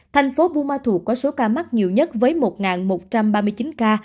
thành phố buma thuộc có số ca mắc nhiều nhất với một một trăm ba mươi chín ca